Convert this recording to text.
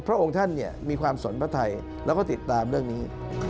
พระองค์ท่านมีความสนพระไทยแล้วก็ติดตามเรื่องนี้